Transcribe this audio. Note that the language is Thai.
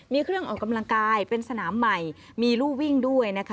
มีเครื่องออกกำลังกายเป็นสนามใหม่มีรูวิ่งด้วยนะคะ